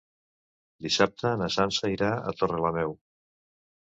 Dissabte na Sança irà a Torrelameu.